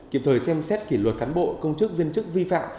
kịp thời xem xét kỷ luật cán bộ công chức viên chức vi phạm